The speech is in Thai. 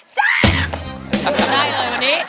ได้เลยวันนี้